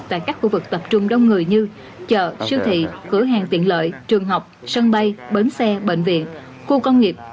tại các khu vực tập trung đông người như chợ siêu thị cửa hàng tiện lợi trường học sân bay bến xe bệnh viện khu công nghiệp